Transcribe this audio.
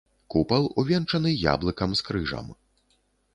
Купал увенчаны яблыкам з крыжам.